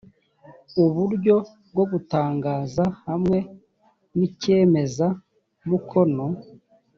uburyo bwo gutangaza hamwe n icyemeza mukono